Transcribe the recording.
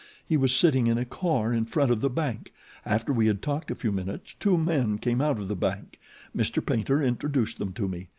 He was sitting in a car in front of the bank. After we had talked a few minutes two men came out of the bank. Mr. Paynter introduced them to me.